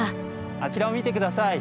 あちらを見て下さい。